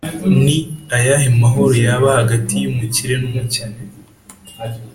Ni ayahe mahoro yaba hagati y’umukire n’umukene?